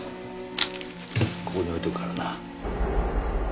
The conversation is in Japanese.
ここに置いておくからな。